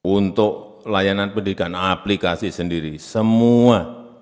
untuk layanan pendidikan aplikasi sendiri semua